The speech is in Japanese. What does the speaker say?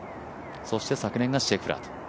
そして昨年がシェフラー。